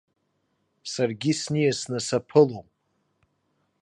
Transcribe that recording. Саргьы сниасны саԥылом.